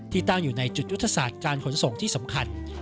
ที่ตั้งอยู่ในจุดอุตสาหการขนส่งที่สำคัญ